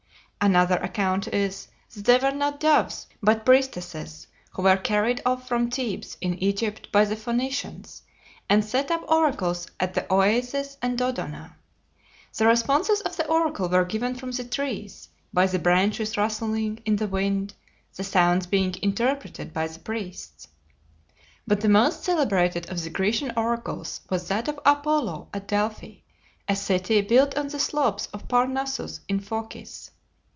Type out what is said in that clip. Another account is, that they were not doves, but priestesses, who were carried off from Thebes in Egypt by the Phoenicians, and set up oracles at the Oasis and Dodona. The responses of the oracle were given from the trees, by the branches rustling in the wind, the sounds being interpreted by the priests. But the most celebrated of the Grecian oracles was that of Apollo at Delphi, a city built on the slopes of Parnassus in Phocis.